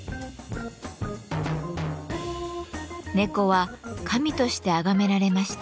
猫は神としてあがめられました。